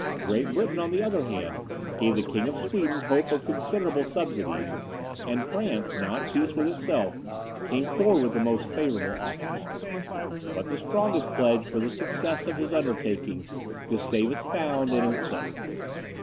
Great Britain, on the other hand, gave the King of Sweden hope of considerable subsidies; and France, now at peace with itself, came forward with the most favourable offers. But the strongest pledge for the success of his undertaking Gustavus found in himself.